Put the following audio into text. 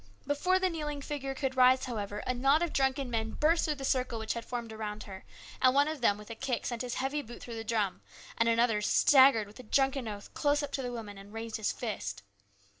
Before the kneeling figure could rise, however, a knot of drunken men burst through the A CHANGE. 93 circle which had been formed around her, and one of them with a kick sent his heavy boot through the drum, and another staggered with a drunken oath close up to the woman and raised his fist.